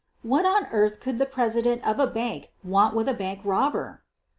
What on earth could the president of a bank want of a bank robber?